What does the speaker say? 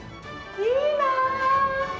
いいな。